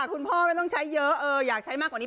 คุณพ่อไม่ต้องใช้เยอะอยากใช้มากกว่านี้